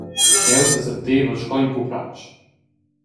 Jeu sesentevel sco in pupratsch.